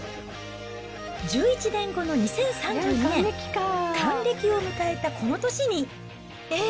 １１年後の２０３２年、還暦を迎えたこの年に、えっ？